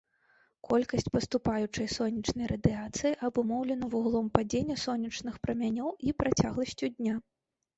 Колькасць паступаючай сонечнай радыяцыі абумоўлена вуглом падзення сонечных прамянёў і працягласцю дня.